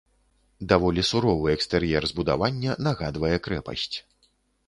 Даволі суровы экстэр'ер збудавання нагадвае крэпасць.